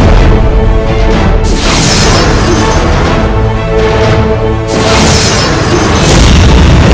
aku akan mencari penyelesaianmu